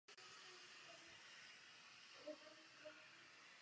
Může se o tom uvažovat a jaký bude výsledek?